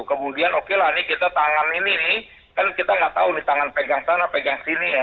kemudian oke lah ini kita tangan ini nih kan kita nggak tahu nih tangan pegang sana pegang sini ya